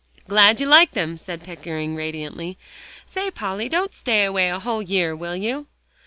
"Glad you like them," said Pickering radiantly. "Say, Polly, don't stay away a whole year, will you?"